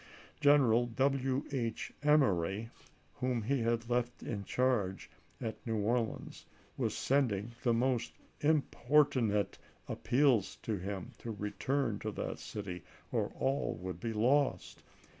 General W. H. Emory, whom he had left in charge at New Orleans, was sending the most importunate appeals to him to return to that city, or all would be lost.